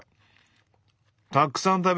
たくさん食べれる。